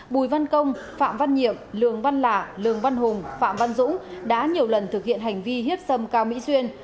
bùi văn công phạm văn nhiệm lương văn lạ lương văn hùng phạm văn dũng đã nhiều lần thực hiện hành vi hiếp xâm cao mỹ duyên